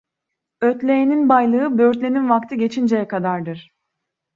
Ötleğenin baylığı böğürtlenin vakti geçinceye kadardır.